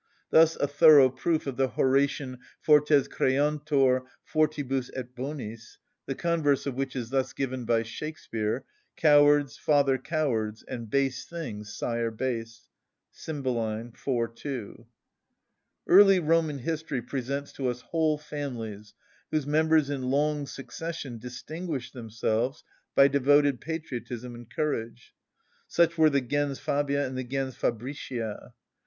Thus a thorough proof of the Horatian fortes creantur fortibus et bonis: the converse of which is thus given by Shakspeare— "Cowards father cowards, and base things sire base." —CYMBELINE, iv. 2. Early Roman history presents to us whole families whose members in long succession distinguished themselves by devoted patriotism and courage; such were the gens Fabia and the gens Fabricia.